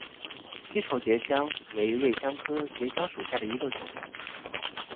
西畴结香为瑞香科结香属下的一个种。